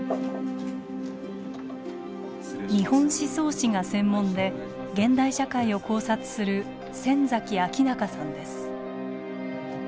日本思想史が専門で現代社会を考察する先崎彰容さんです。